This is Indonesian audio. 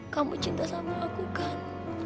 kamu cinta sama aku kan